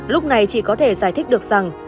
lúc này chỉ có thể giải thích được rằng